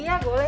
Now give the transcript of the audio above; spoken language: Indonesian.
iya boleh dong